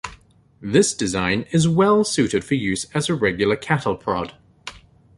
This design is well-suited for use as a regular cattle prod.